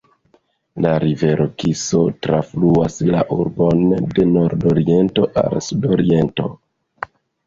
La rivero Kiso trafluas la urbon de nordoriento al sudoriento.